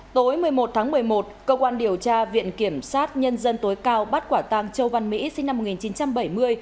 tối một mươi một tháng một mươi một cơ quan điều tra viện kiểm sát nhân dân tối cao bắt quả tang châu văn mỹ sinh năm một nghìn chín trăm bảy mươi